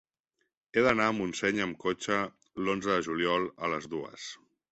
He d'anar a Montseny amb cotxe l'onze de juliol a les dues.